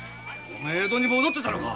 江戸に戻ってたのか？